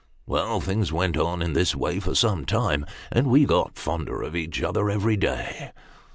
Well, things went on in this way for some time ; and we got londer ot each other every day.